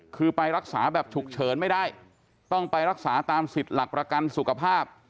คือไปรักษาแบบฉุกเฉินไม่ได้ต้องไปรักษาตามสิทธิ์หลักประกันสุขภาพ